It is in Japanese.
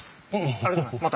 ありがとうございます。